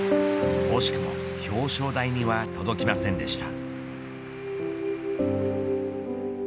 惜しくも、表彰台には届きませんでした。